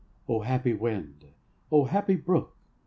O happy wind! O happy brook!